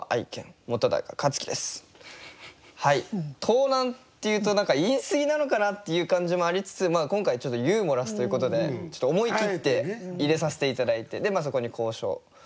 「盗難」っていうと何か言い過ぎなのかな？っていう感じもありつつ今回ちょっとユーモラスということでちょっと思い切って入れさせて頂いてでそこに「咬傷」かまれた傷。